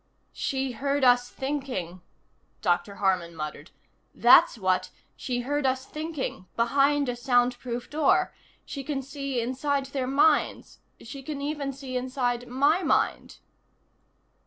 "She heard us thinking," Dr. Harman muttered. "That's what; she heard us thinking. Behind a soundproof door. She can see inside their minds. She can even see inside my mind."